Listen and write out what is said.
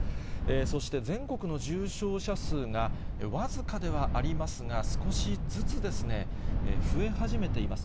そして、全国の重症者数が僅かではありますが、少しずつですね、増え始めています。